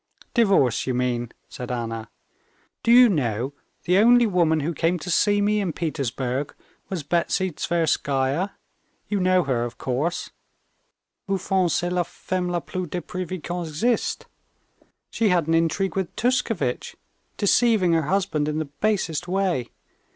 "Divorce, you mean?" said Anna. "Do you know, the only woman who came to see me in Petersburg was Betsy Tverskaya? You know her, of course? Au fond, c'est la femme la plus depravée qui existe. She had an intrigue with Tushkevitch, deceiving her husband in the basest way.